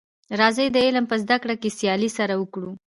راځی د علم په زده کړه کي سیالي سره وکړو.